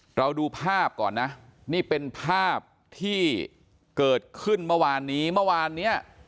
เราดูภาพก่อนนะนี่เป็นภาพที่เกิดขึ้นเมื่อวานนี้เมื่อวานเนี่ย